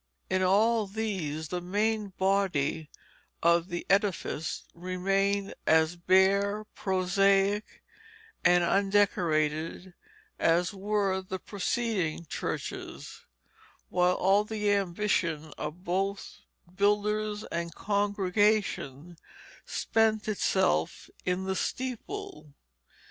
In all these the main body of the edifice remained as bare, prosaic, and undecorated as were the preceding churches, while all the ambition of both builders and congregation spent itself in the steeple.